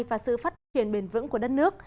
và sự phát triển bền vững của đất nước